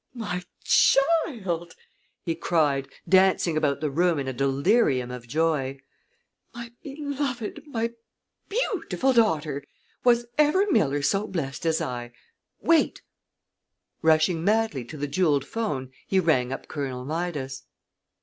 "My child!" he cried, dancing about the room in a delirium of joy. "My beloved, my beautiful daughter was ever miller so blessed as I! Wait!" Rushing madly to the jeweled 'phone, he rang up Colonel Midas.